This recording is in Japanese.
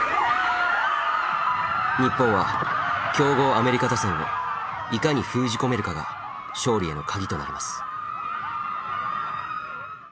日本は強豪アメリカ打線をいかに封じ込めるかが勝利へのカギとなります。